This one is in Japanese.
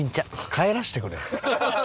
帰らせてくれ。